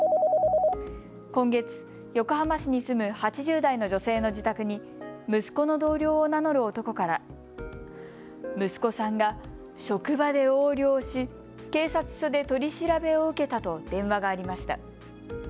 今月、横浜市に住む８０代の女性の自宅に息子の同僚を名乗る男から息子さんが職場で横領し警察署で取り調べを受けたと電話がありました。